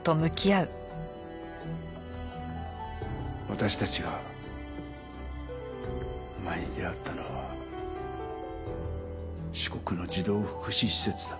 私たちがお前に出会ったのは四国の児童福祉施設だ。